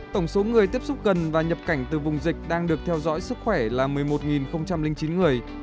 tổng số người tiếp xúc gần và nhập cảnh từ vùng dịch đang được theo dõi sức khỏe là một mươi một chín người